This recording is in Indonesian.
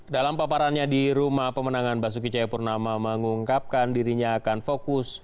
dalam paparannya di rumah pemenangan basuki cayapurnama mengungkapkan dirinya akan fokus